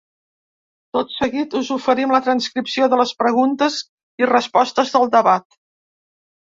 Tot seguit us oferim la transcripció de les preguntes i respostes del debat.